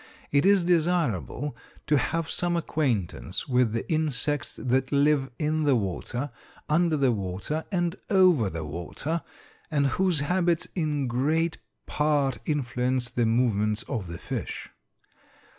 It is desirable to have some acquaintance with the insects that live in the water, under the water, and over the water, and whose habits in great part influence the movements of the fish.